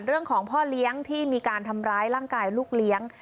เรื่องของพ่อเลี้ยงที่มีการทำร้ายร่างกายลูกเลี้ยง